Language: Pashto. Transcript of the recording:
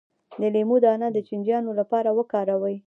د لیمو دانه د چینجیانو لپاره وکاروئ